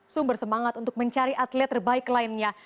sumber semangat untuk mencari atlet terbaik lainnya